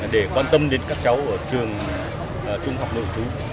để quan tâm đến các cháu ở trường trung học nội chú